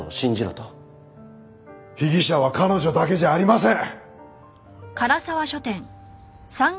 被疑者は彼女だけじゃありません！